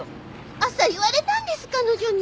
朝言われたんです彼女に。